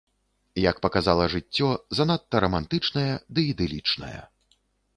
Як паказала жыццё, занадта рамантычная ды ідылічная.